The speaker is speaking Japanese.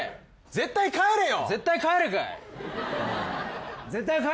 絶対帰れよ。